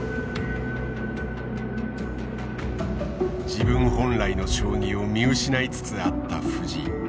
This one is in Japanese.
自分本来の将棋を見失いつつあった藤井。